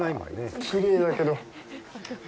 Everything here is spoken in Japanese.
きれいだけど。